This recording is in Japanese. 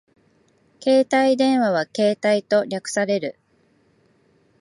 携帯電話はケータイと略される